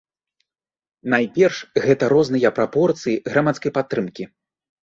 Найперш гэта розныя прапорцыі грамадскай падтрымкі.